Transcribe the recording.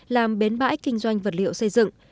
làm bến bãi kinh doanh vật liệu xây dựng